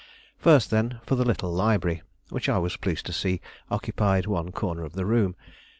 First then, for the little library, which I was pleased to see occupied one corner of the room.